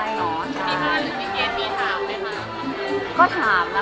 มีบ้านหรือมีเกณฑ์มีถามไหมคะ